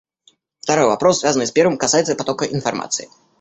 Второй вопрос, связанный с первым, касается потока информации.